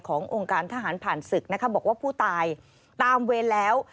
องค์การทหารผ่านศึกนะคะบอกว่าผู้ตายตามเวรแล้ว